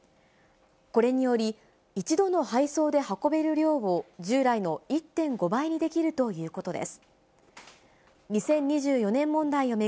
これにより、一度の配送で運べる量を、従来の１．５倍にできるということです。